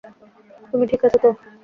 তুমি ঠিক আছ তো?